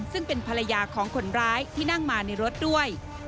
ซึ่งเป็นภรรยาของคนร้ายที่นั่งมาในรถด้วย